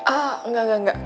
ah engga engga engga